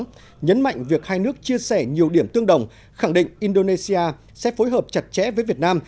nhấn mạnh việc hai nước chia sẻ nhiều điểm tương đồng khẳng định indonesia sẽ phối hợp chặt chẽ với việt nam